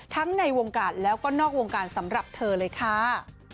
ในวงการแล้วก็นอกวงการสำหรับเธอเลยค่ะ